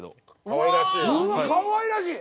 かわいらしい。